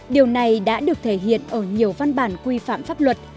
điều này đã được thể hiện ở nhiều văn bản quy phạm pháp luật